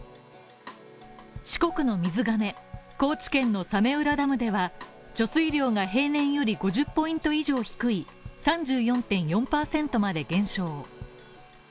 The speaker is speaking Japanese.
四国の水がめ、高知県の早明浦ダムでは貯水量が平年より５０ポイント以上低い３４．４％まで減少。